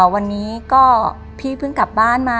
วันนี้ก็พี่เพิ่งกลับบ้านมา